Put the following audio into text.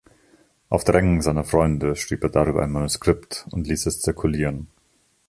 Auf Drängen seiner Freunde schrieb er darüber ein Manuskript und ließ es zirkulieren.